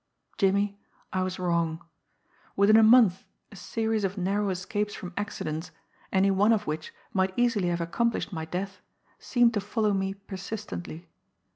Jimmie, I was wrong. Within a month a series of narrow escapes from accidents, any one of which might easily have accomplished my death, seemed to follow me persistently.